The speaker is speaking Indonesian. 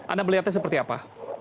anda melihatnya seperti apa